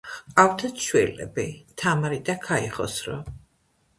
ჰყავდათ შვილები თამარი და ქაიხოსრო.